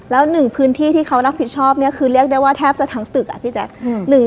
แล้วหนึ่งพื้นที่ที่เขารับผิดชอบเนี่ยคือเรียกได้ว่าแทบจะทั้งตึกอ่ะพี่แจ๊ค